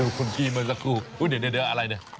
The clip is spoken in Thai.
ดูคุณกี้มันสกรูปเดี๋ยวอะไรน่ะ